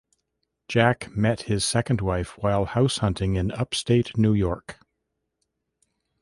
Jack met his second wife while house hunting in upstate New York.